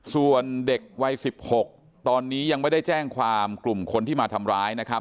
ส่วนเด็กวัย๑๖ตอนนี้ยังไม่ได้แจ้งความกลุ่มคนที่มาทำร้ายนะครับ